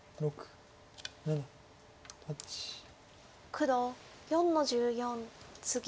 黒４の十四ツギ。